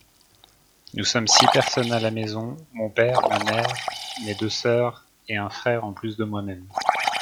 Nous sommes six personnes à la maison. Mon père, ma mère, mes deux sœurs et un frère en plus de moi-même.